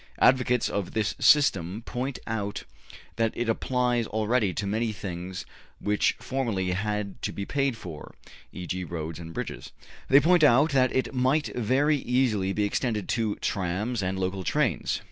Advo cates of this system point out that it applies already to many things which formerly had to be paid for, e.g., roads and bridges. They point out that it might very easily be extended to trams and local trains.